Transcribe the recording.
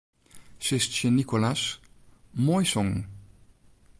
Sis tsjin Nicolas: Moai songen.